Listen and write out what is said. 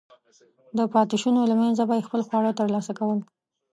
د پاتېشونو له منځه به یې خپل خواړه ترلاسه کول.